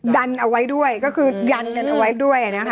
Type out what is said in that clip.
ดันเอาไว้ด้วยก็คือยันกันเอาไว้ด้วยนะคะ